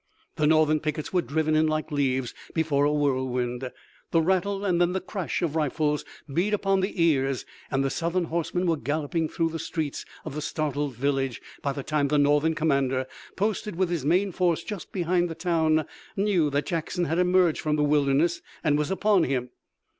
The Northern pickets were driven in like leaves before a whirlwind. The rattle and then the crash of rifles beat upon the ears, and the Southern horsemen were galloping through the streets of the startled village by the time the Northern commander, posted with his main force just behind the town, knew that Jackson had emerged from the wilderness and was upon him.